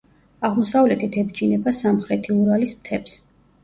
აღმოსავლეთით ებჯინება სამხრეთი ურალის მთებს.